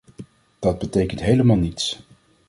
Dat betekent helemaal niets.